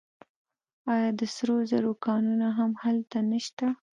آیا د سرو زرو کانونه هم هلته نشته؟